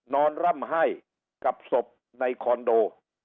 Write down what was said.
ร่ำให้กับศพในคอนโด